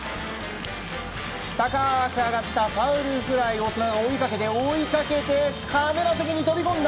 高く上がったファウルフライを追いかけて、追いかけてカメラ席に飛び込んだ。